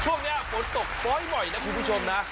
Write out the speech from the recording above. ช่วงนี้ฝนตกบ่อยนะคุณผู้ชมนะ